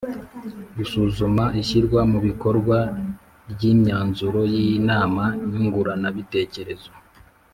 Gusuzuma ishyirwa mu bikorwa ry imyanzuro y inama nyunguranabitekerezo